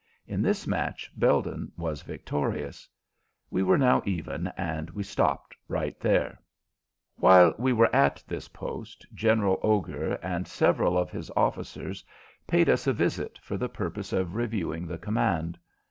In this match Belden was victorious. We were now even, and we stopped right there. While we were at this post General Augur and several of his officers paid us a visit for the purpose of reviewing the command.